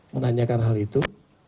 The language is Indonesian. menanyakan hal itu